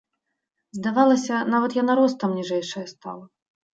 Здавалася, нават яна ростам ніжэйшая стала.